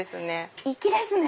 粋ですね！